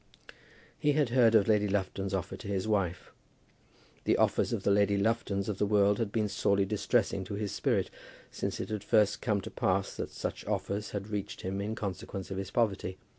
He had heard of Lady Lufton's offer to his wife. The offers of the Lady Luftons of the world had been sorely distressing to his spirit, since it had first come to pass that such offers had reached him in consequence of his poverty.